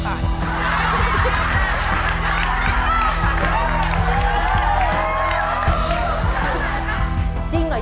ขอบคุณครับ